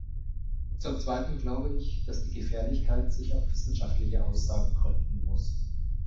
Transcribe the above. Zum Zweiten glaube ich, dass die Gefährlichkeit sich auf wissenschaftliche Aussagen gründen muss.